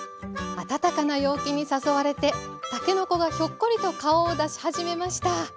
暖かな陽気に誘われてたけのこがひょっこりと顔を出し始めました。